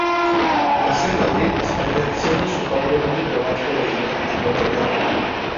Nació en Madrid, España, siendo su padre un diplomático de Guinea Ecuatorial.